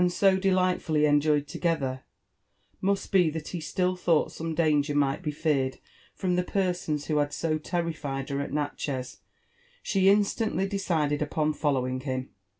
40 delightfully enjofed together, must be that he still Ihought som» danger might be feared from the persons who had so terrified her ak Vatcliefs^ she instantly decided upon following him*.